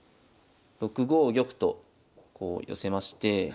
６五玉とこう寄せまして。